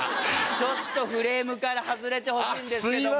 ちょっとフレームから外れてほしいんですけども。